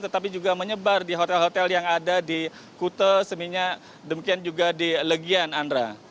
tetapi juga menyebar di hotel hotel yang ada di kute seminya demikian juga di legian andra